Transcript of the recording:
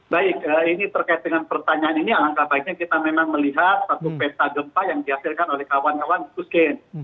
baik ini terkait dengan pertanyaan ini alangkah baiknya kita memang melihat satu pesta gempa yang dihasilkan oleh kawan kawan kuskin